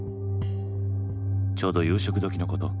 ちょうど夕食時のこと。